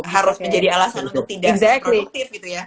harus menjadi alasan untuk tidak produktif gitu ya